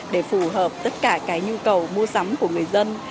để phù hợp tất cả cái nhu cầu mua sắm của người dân